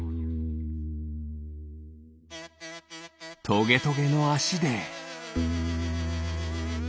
トゲトゲのあしで。